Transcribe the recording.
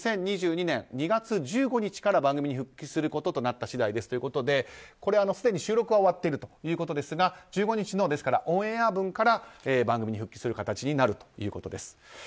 ２０２２年２月１５日から番組に復帰することとなった次第ですということですでに収録は終わっているということですが１５日のオンエア分から番組に復帰する形になるということです。